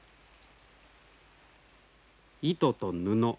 糸と布。